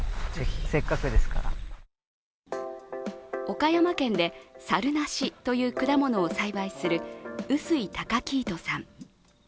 岡山県でサルナシという果物を栽培する臼井崇来人さん。